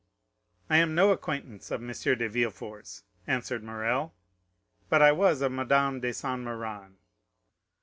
"I am no acquaintance of M. de Villefort's," answered Morrel, "but I was of Madame de Saint Méran."